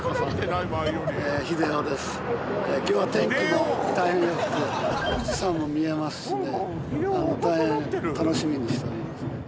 今日は天気も大変よくて富士山も見えますしね大変楽しみにしております